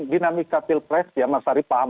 dinamika pilpres ya mas ari paham